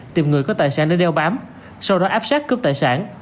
tìm người có tài sản để đeo bám sau đó áp sát cướp tài sản